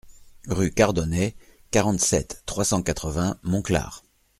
Rue Cardonet, quarante-sept, trois cent quatre-vingts Monclar